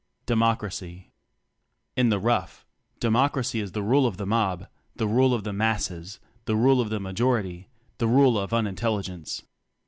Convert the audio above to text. Democracy. In the rough, Democracy is the ule of the mob, the rule of the asses, the rule of the majority the ule of un intelligence.